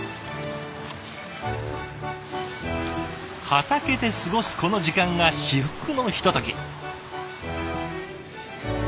畑で過ごすこの時間が至福のひととき。